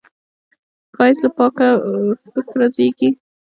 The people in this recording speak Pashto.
ښایست له پاک فکره زېږي